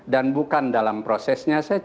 dan bukan dalam prosesnya